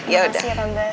makasih ya tante